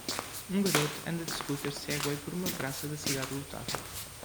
Um garoto anda de scooter Segway por uma praça da cidade lotada.